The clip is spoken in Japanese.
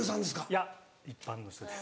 いや一般の人です。